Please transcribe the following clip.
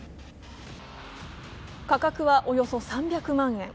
価格はおよそ３００万円。